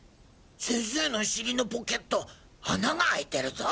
先生の尻のポケット穴が開いてるぞ？